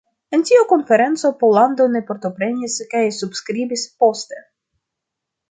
En tiu konferenco, Pollando ne partoprenis kaj subskribis poste.